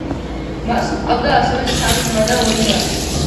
მას ჰყავდა ასევე სამი ძმა და ორი და.